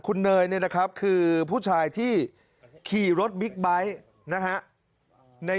คุณเนยเนี่ยนะครับคือผู้ชายที่ขี่รถบิ๊กไบท์นะฮะ